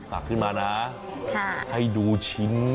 ตักขึ้นมานะให้ดูชิ้น